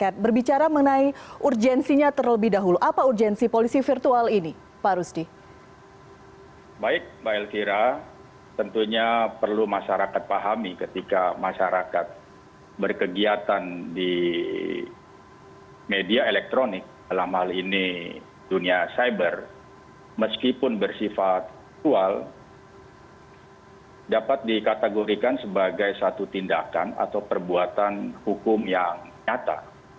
di media elektronik dalam hal ini dunia cyber meskipun bersifat virtual dapat dikategorikan sebagai satu tindakan atau perbuatan hukum yang nyata